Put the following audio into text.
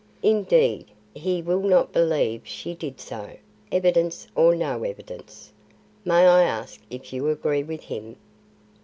Indeed, he will not believe she did so, evidence or no evidence. May I ask if you agree with him?